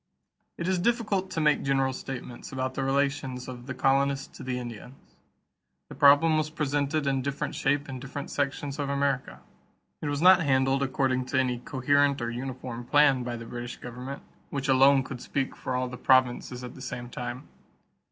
= It is difficult to make general statements about the relations of the colonists to the Indians. The problem was presented in different shape in different sections of America. It was not handled according to any coherent or uniform plan by the British government, which alone could speak for all the provinces at the same time.